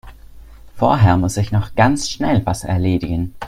Vorher muss ich noch ganz schnell was erledigen.